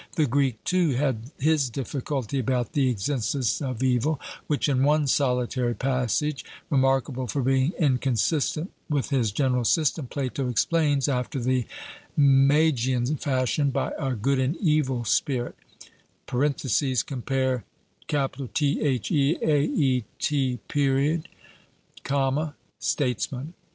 The Greek, too, had his difficulty about the existence of evil, which in one solitary passage, remarkable for being inconsistent with his general system, Plato explains, after the Magian fashion, by a good and evil spirit (compare Theaet., Statesman).